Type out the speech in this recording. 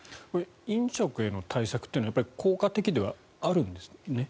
飲食への対策というのは効果的ではあるんですか？